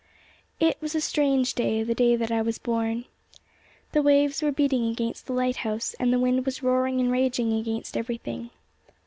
It was a strange day, the day that I was born. The waves were beating against the lighthouse, and the wind was roaring and raging against everything.